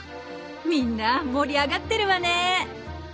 みんな盛り上がってるわね！